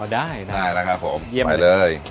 อ๋อได้ได้แล้วครับผมไปเลย